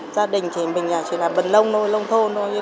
gia đình thì mình chỉ là bần lông thôi lông thôn thôi